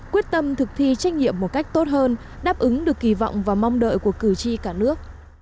quyết tâm thực thi trách nhiệm một cách tốt hơn đáp ứng được kỳ vọng và mong đợi của cử tri cả nước